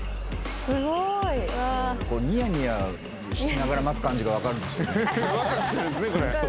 すごい。ニヤニヤしながら待つ感じが分かるんですよね。